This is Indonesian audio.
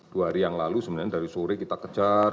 dua hari yang lalu sebenarnya dari sore kita kejar